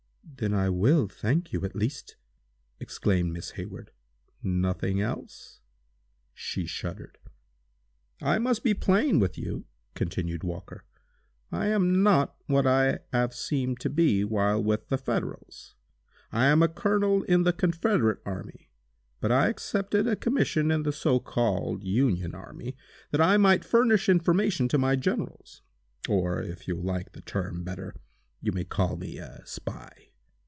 "Then I will thank you, at least!" exclaimed Miss Hayward. "Nothing else?" She shuddered. "I must be plain with you," continued Walker. "I am not what I have seemed to be while with the Federals. I am a colonel in the Confederate army, but I accepted a commission in the so called Union army, that I might furnish information to my Generals. Or, if you like the term better, you may call me a spy.